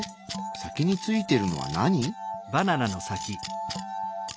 先についてるのは何？